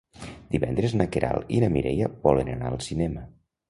Divendres na Queralt i na Mireia volen anar al cinema.